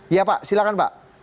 iya pak silahkan pak